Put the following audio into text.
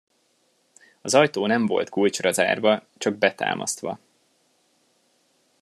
Az ajtó nem volt kulcsra zárva, csak betámasztva.